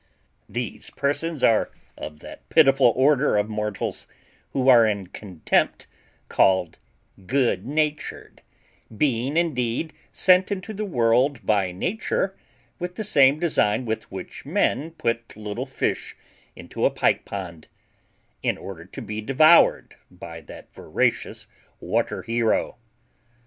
These persons are of that pitiful order of mortals who are in contempt called good natured; being indeed sent into the world by nature with the same design with which men put little fish into a pike pond, in order to be devoured by that voracious water hero.